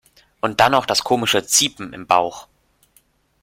Und dann noch das komische ziepen im Bauch.